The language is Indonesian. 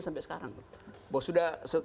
sampai sekarang bahwa sudah